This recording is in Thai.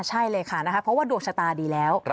ใช่เลยค่ะนะคะเพราะว่าดวงชะตาดีแล้ว